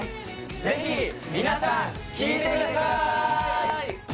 ぜひみなさん聴いてください